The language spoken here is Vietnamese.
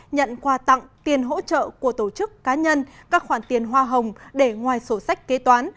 nhận quà tặng tiền hỗ trợ của tổ chức cá nhân các khoản tiền hoa hồng để ngoài sổ sách kế toán